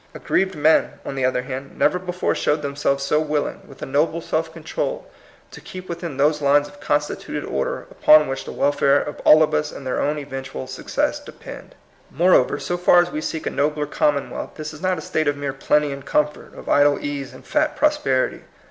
Aggrieved men, on the other hand, never before POSSIBLE REVOLUTION. 163 showed themselves so willing, with a noble self control, to keep within those lines of constituted order upon which the welfare of all of us and their own eventual suc cess depend. Moreover, so far as we seek a nobler commonwealth, this is not a state of mere plenty and comfort, of idle ease and fat prosperity.